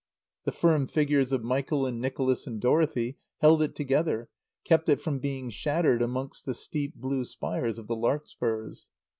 The firm figures of Michael and Nicholas and Dorothy held it together, kept it from being shattered amongst the steep blue spires of the larkspurs.